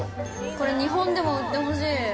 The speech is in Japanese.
これ日本でも売ってほしい。